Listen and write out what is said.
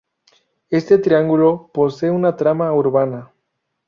Este triángulo posee una trama urbana.